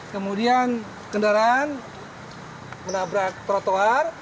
kemudian kendaraan menabrak trotoar